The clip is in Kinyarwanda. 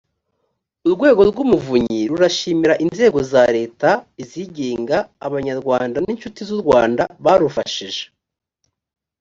urwego rw umuvunyi rurashimira inzego za leta izigenga abanyarwanda n inshuti z u rwanda barufashije